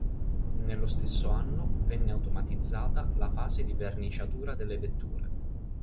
Nello stesso anno venne automatizzata la fase di verniciatura delle vetture.